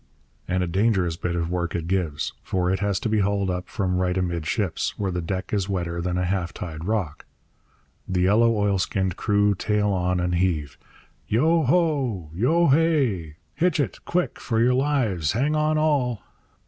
And a dangerous bit of work it gives; for it has to be hauled up from right amidships, where the deck is wetter than a half tide rock. The yellow oilskinned crew tail on and heave. Yo ho! Yo hay! 'Hitch it! Quick, for your lives, hang on, all!'